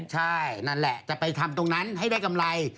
ใช่นั่นแหละจะไปทำตรงนั้นให้ได้กำไร